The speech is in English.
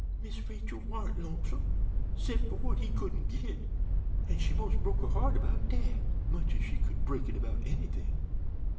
Miss Rachel warn't lonesome 'cept for what he couldn't git, an' she most broke her heart 'bout dat, much 's she could break it 'bout anything.